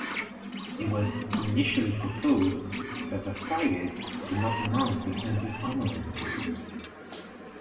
It was initially proposed that the frigates would not mount defensive armament.